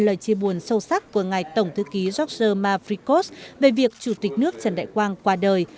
lời chia buồn sâu sắc của ngài tổng thư ký george mapricoz về việc chủ tịch nước trần đại quang qua đời